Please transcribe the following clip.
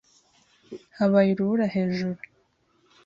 Habaye urubura hejuru.